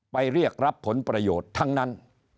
เรียกรับผลประโยชน์ทั้งนั้น